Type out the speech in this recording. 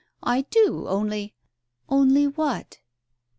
"I do, only " "Only what?"